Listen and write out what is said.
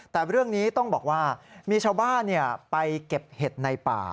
แต่เรื่องนี้ต้องบอกว่ามีชาวบ้านไปเก็บเห็ดในป่า